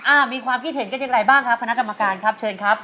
มีความคิดเห็นกันอย่างไรบ้างครับคณะกรรมการครับเชิญครับ